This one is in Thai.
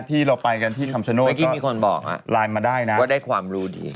พี่เราไปกันที่คำชะโน้นก็ไลน์มาได้นะครับเมื่อกี้มีคนบอกว่าได้ความรู้ดี